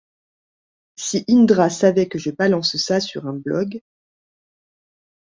Si Indra savait que je balance ça sur un blog.